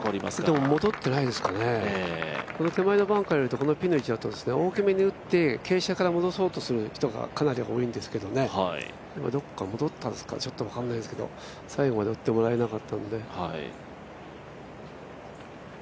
でも、戻ってないですからね手前のバンカー見ると傾斜から戻そうとする人がかなり多いんですけどね、どこか戻ったんですか、ちょっと分からないですけど最後まで打ってもらえなかったので。